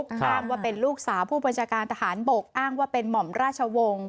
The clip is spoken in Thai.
อ้างว่าเป็นลูกสาวผู้บัญชาการทหารบกอ้างว่าเป็นหม่อมราชวงศ์